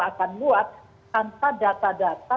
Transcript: akan luas tanpa data data